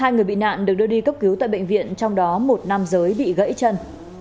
hai người bị nạn được đưa đi cấp cứu tại bệnh viện trong đó một nam giới bị gãy chân